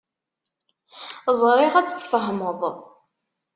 Ẓriɣ ad tt-tfehmeḍ.